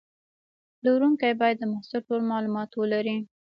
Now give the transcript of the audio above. پلورونکی باید د محصول ټول معلومات ولري.